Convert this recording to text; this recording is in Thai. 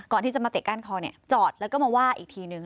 ก่อนที่จะมาเตะก้านคอเนี่ยจอดแล้วก็มาว่าอีกทีนึง